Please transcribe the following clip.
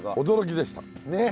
驚きでした。